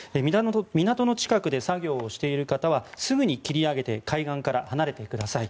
港の近くで作業をしている方はすぐに切り上げて海岸から離れてください。